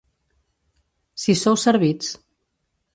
Si sou servits.